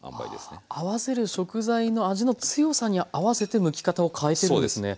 合わせる食材の味の強さに合わせてむき方を変えてるんですね。